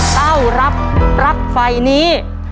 เต้ารับปรักไฟนี้